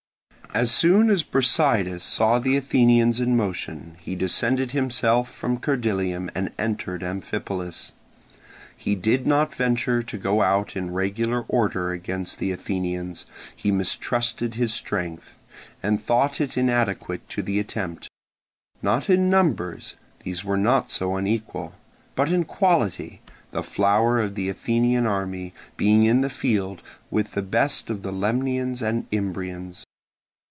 As soon as Brasidas saw the Athenians in motion he descended himself from Cerdylium and entered Amphipolis. He did not venture to go out in regular order against the Athenians: he mistrusted his strength, and thought it inadequate to the attempt; not in numbers—these were not so unequal—but in quality, the flower of the Athenian army being in the field, with the best of the Lemnians and Imbrians.